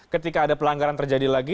ketika ada pelanggaran terjadi